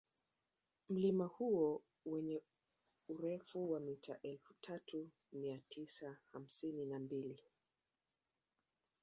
Mlima huo wenye urefu wa mita elfu tatu mia tisa hamsini na mbili